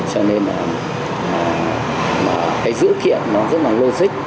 cho nên là cái dữ kiện nó rất là logic